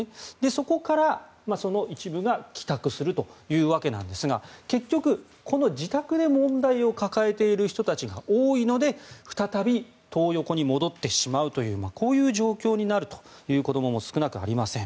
そこから、その一部が帰宅するというわけなんですが結局、この自宅で問題を抱えている人たちが多いので再びトー横に戻ってしまうというこういう状況になるという子どもも少なくあります。